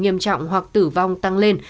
nghiêm trọng hoặc tử vong tăng lên